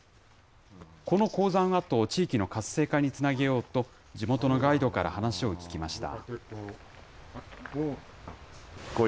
この鉱山跡を地域の活性化につなげようと、地元のガイドから話を聞きました。